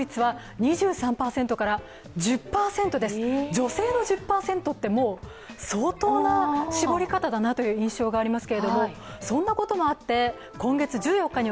女性の１０％って、相当な絞り方だなという印象があります。